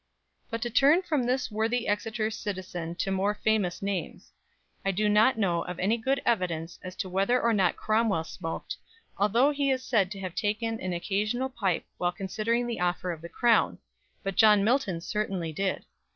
But to turn from this worthy Exeter citizen to more famous names: I do not know of any good evidence as to whether or not Cromwell smoked, although he is said to have taken an occasional pipe while considering the offer of the crown, but John Milton certainly did.